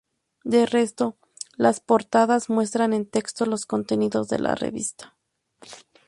De resto, las portadas muestran en texto los contenidos de la revista.